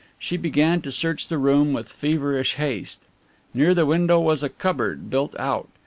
She began to search the room with feverish haste. Near the window was a cupboard built out.